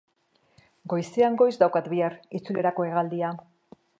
Goizean goiz daukat, bihar, itzulerako hegaldia.